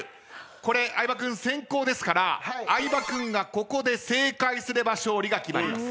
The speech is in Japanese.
これ相葉君先攻ですから相葉君がここで正解すれば勝利が決まります。